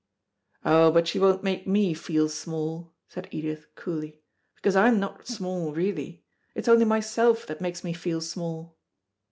"Oh, but she won't make me feel small," said Edith coolly, "because I'm not small really. It's only myself that makes me feel small."